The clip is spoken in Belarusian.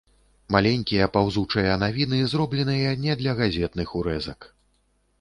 Маленькія, паўзучыя навіны, зробленыя не для газетных урэзак.